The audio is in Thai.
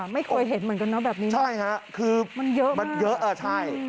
ไม่เคยเห็นเหมือนกันเนอะแบบนี้มันเยอะมาก